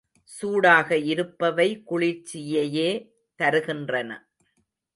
சூடாக இருப்பவை குளிர்ச்சியையே தருகின்றன.